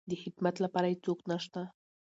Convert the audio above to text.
د خدمت لپاره يې څوک نشته.